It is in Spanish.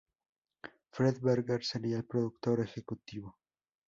Fred Berger sería el productor ejecutivo.